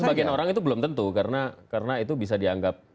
sebagian orang itu belum tentu karena itu bisa dianggap